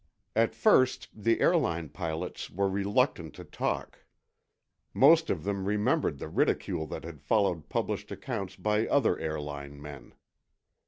At first, the airline pilots were reluctant to talk. Most of them remembered the ridicule that had followed published accounts by other airline men.